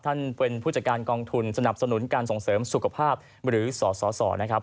ท่านเป็นผู้จัดการกองทุนสนับสนุนการส่งเสริมสุขภาพหรือสสนะครับ